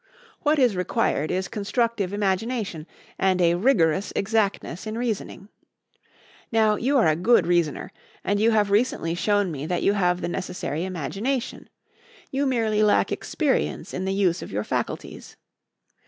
What is required is constructive imagination and a rigorous exactness in reasoning. Now, you are a good reasoner, and you have recently shown me that you have the necessary imagination; you merely lack experience in the use of your faculties.